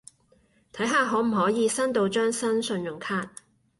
睇下可唔可以申到張新信用卡